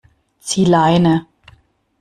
Zieh Leine!